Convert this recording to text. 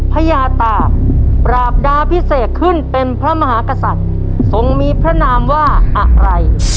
พญาตากปราบดาพิเศษขึ้นเป็นพระมหากษัตริย์ทรงมีพระนามว่าอะไร